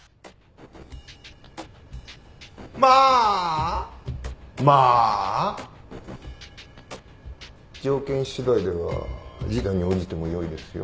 まあまあ条件次第では示談に応じても良いですよ。